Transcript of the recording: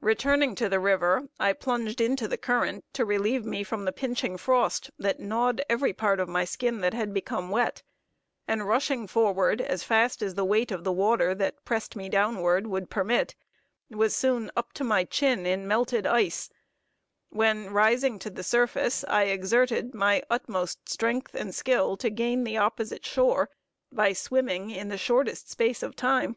Returning to the river, I plunged into the current to relieve me from the pinching frost, that gnawed every part of my skin that had become wet; and rushing forward as fast as the weight of the water, that pressed me downward, would permit, was soon up to my chin in melted ice, when rising to the surface, I exerted my utmost strength and skill to gain the opposite shore by swimming in the shortest space of time.